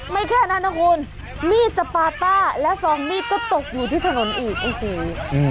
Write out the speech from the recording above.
แค่นั้นนะคุณมีดสปาต้าและซองมีดก็ตกอยู่ที่ถนนอีกโอ้โห